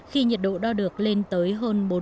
khi nhiệt độ đo được lên tới hơn bốn mươi một độ c